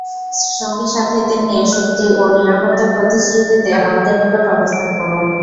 সঙ্গী-সাথীদের নিয়ে শক্তি ও নিরাপত্তার প্রতিশ্রুতিতে আমাদের নিকট অবস্থান করুন।